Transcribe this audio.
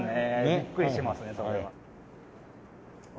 びっくりしますねそれは。